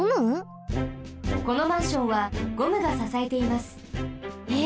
このマンションはゴムがささえています。え？